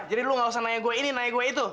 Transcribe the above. jadi lo gak usah nanya gue ini nanya gue itu